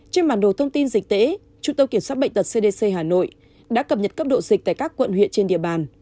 trên bản đồ thông tin dịch tễ trung tâm kiểm soát bệnh tật cdc hà nội đã cập nhật cấp độ dịch tại các quận huyện trên địa bàn